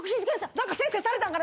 何か先生にされたんかな。